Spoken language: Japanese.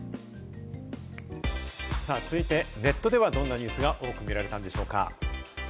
続いて、ネットではどんなニュースが多く見られたのでしょうか。